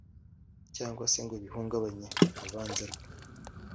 cyangwa se ngo bihungabanye urubanza rwe